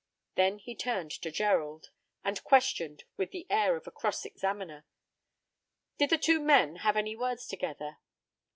Then he turned to Gerald, and questioned with the air of a cross examiner: "Did the two men have any words together?"